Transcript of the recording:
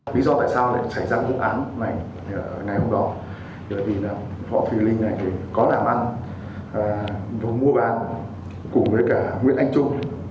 ví do tại sao lại xảy ra vụ án này ngày hôm đó là vì võ thùy linh có làm ăn mua bán cùng với nguyễn anh trung